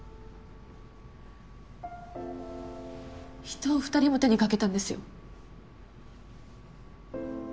人を２人も手に掛けたんですよ？